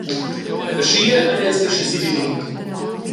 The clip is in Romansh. Aschia ein els carschi si biling.